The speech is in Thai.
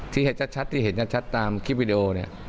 ที่เห็นชัดที่เห็นชัดตามคลิปวิดีโอเนี่ย